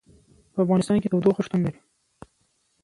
په افغانستان کې تودوخه شتون لري.